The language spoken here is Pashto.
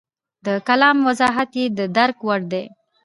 د کلام وضاحت یې د درک وړ دی.